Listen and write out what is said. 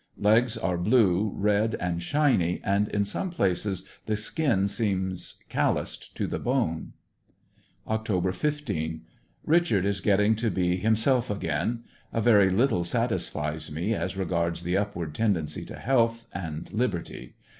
Legs are blue, red and shiny and in some places the skin seems calloused to the bone Oct. 15 — Richard is getting to be himself asjain. A very little satisfies me as regards the upward tendency to health and liberty.